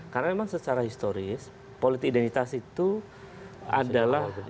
karena memang secara historis politik identitas itu adalah